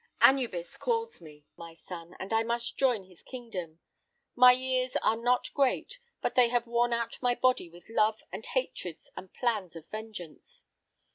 "Anubis calls me, my son, and I must join his kingdom. My years are not great, but they have worn out my body with love and hatreds and plans of vengeance.